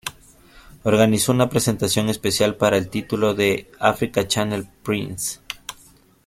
Organizó una presentación especial para el título de The Africa Channel "Prince!